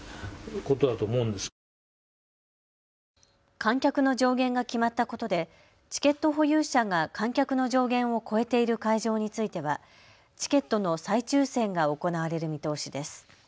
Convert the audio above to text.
観客の上限が決まったことでチケット保有者が観客の上限を超えている会場についてはチケットの再抽せんが行われる見通しです。